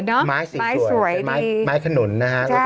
โอเคโอเคโอเค